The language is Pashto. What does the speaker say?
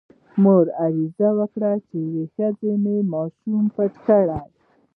مور عرض وکړ چې یوې ښځې مې ماشوم پټ کړی.